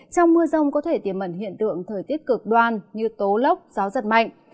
trong mưa rông có thể tiềm mẩn hiện tượng thời tiết cực đoan như tố lốc gió giật mạnh